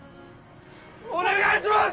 お願いします！